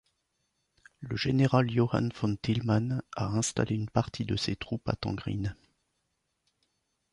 Le général Johann von Thielmann a installé une partie de ses troupes à Tongrinne.